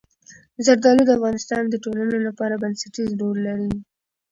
زردالو د افغانستان د ټولنې لپاره بنسټيز رول لري.